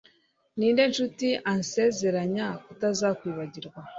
Ninde nshuti ansezeranya kutazakwibagirwa